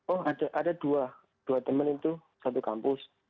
oh ada dua dua teman itu satu kampus